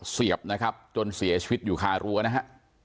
เสียบนะครับจนเสียชีวิตอยู่คารั้วนะฮะ